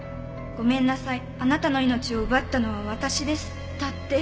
「“ごめんなさいあなたの命を奪ったのは私です”だって！」